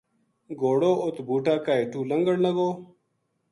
گھوڑو اُت بوٹا کا ہیٹو لنگھن لگو